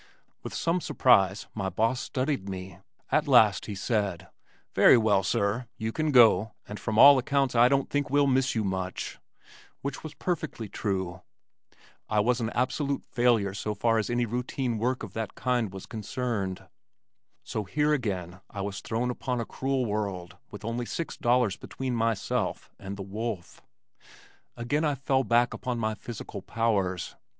With some surprise my boss studied me. At last he said: "Very well, sir, you can go, and from all accounts I don't think we'll miss you much," which was perfectly true. I was an absolute failure so far as any routine work of that kind was concerned. So here again I was thrown upon a cruel world with only six dollars between myself and the wolf. Again I fell back upon my physical powers.